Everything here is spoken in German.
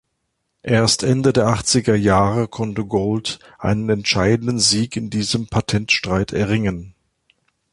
Erst Ende der achtziger Jahre konnte Gould einen entscheidenden Sieg in diesem Patentstreit erringen.